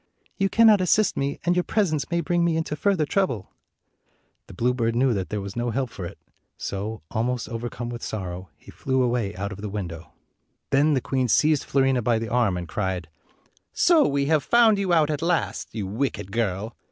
"You cannot assist me, and your presence may bring me into further trouble." The bluebird knew that there was no help for it, so, almost overcome with sorrow, he flew away out of the window. Then the queen seized Fiorina by the arm and cried, "So we have found you out at last, you wicked girl!